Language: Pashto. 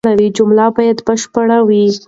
جمله بايد بشپړه وي.